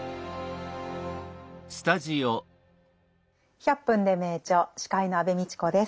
「１００分ｄｅ名著」司会の安部みちこです。